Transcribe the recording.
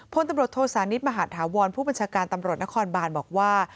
พลตำรวจโทษานิทมหาธาวรผู้บัญชาการตำรวจนครบานบอกว่า